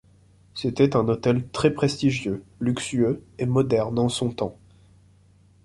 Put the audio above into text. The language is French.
C'était un hôtel très prestigieux, luxueux et moderne en son temps.